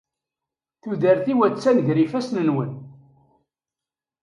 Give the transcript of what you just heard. Tudert-iw attan gar ifassen-nwen.